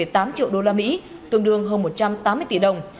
bảy tám triệu đô la mỹ tương đương hơn một trăm tám mươi tỷ đồng